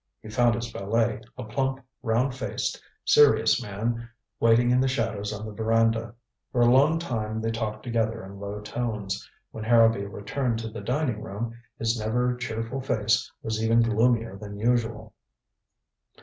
He found his valet, a plump, round faced, serious man, waiting in the shadows on the veranda. For a time they talked together in low tones. When Harrowby returned to the dining room, his never cheerful face was even gloomier than usual.